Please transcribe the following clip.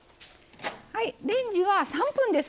レンジは３分です。